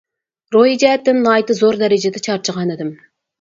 روھى جەھەتتىن ناھايىتى زور دەرىجىدە چارچىغانىدىم.